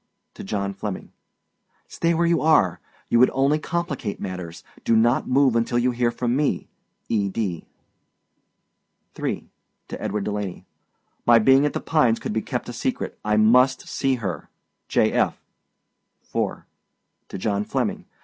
TO JOHN FLEMMING. Stay where you are. You would only complicated matters. Do not move until you hear from me. E. D. 3. TO EDWARD DELANEY. My being at The Pines could be kept secret. I must see her. J. F. 4. TO JOHN FLEMMING.